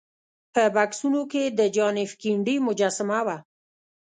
په بکسونو کې د جان ایف کینیډي مجسمه وه